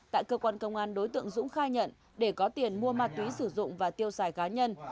tại cơ quan công an đối tượng dũng khai nhận để có tiền mua ma túy sử dụng và tiêu xài cá nhân